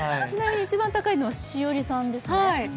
ちなみに一番高いのは栞里さんですね。